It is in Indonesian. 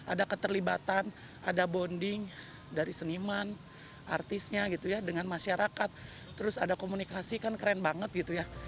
ada keterlibatan ada bonding dari seniman artisnya gitu ya dengan masyarakat terus ada komunikasi kan keren banget gitu ya